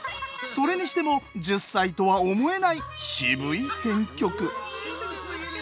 それにしても１０歳とは思えない渋い選曲！